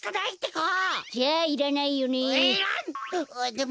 でも。